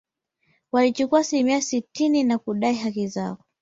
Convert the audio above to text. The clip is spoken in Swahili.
Walichukua asilimia sitini na kudai haki zao